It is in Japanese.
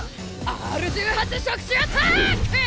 「Ｒ１８触手アタック」！